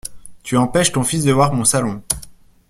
Tu empêches ton fils de voir mon salon.